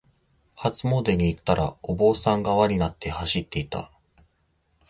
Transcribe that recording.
初詣に行ったら、お坊さんが輪になって走っていた。